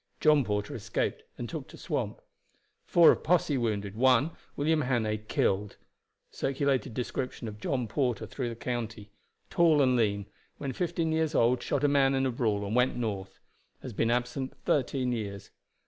John Porter escaped, and took to swamp. Four of posse wounded; one, William Hannay, killed. Circulated description of John Porter through the county. Tall and lean; when fifteen years old shot a man in a brawl, and went north. Has been absent thirteen years.